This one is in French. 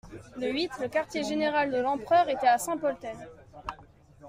Le huit, le quartier-général de l'empereur était à Saint-Polten.